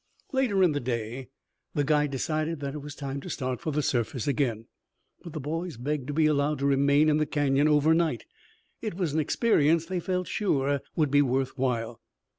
Later in the day the guide decided that it was time to start for the surface again. But the boys begged to be allowed to remain in the Canyon over night. It was an experience that they felt sure would be worth while.